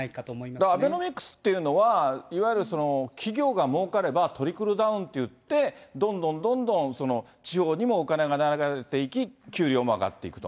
だからアベノミクスっていうのは、いわゆる企業がもうかれば、トリクルダウンといって、どんどんどんどん地方にもお金が回っていき、給料も上がっていくと。